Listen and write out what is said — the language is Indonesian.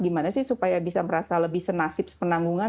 gimana sih supaya bisa merasa lebih senasib penanggungan